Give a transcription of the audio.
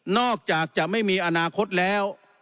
อกจากจะไม่มีอนาคตแล้ว